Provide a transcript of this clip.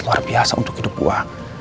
luar biasa untuk hidup gua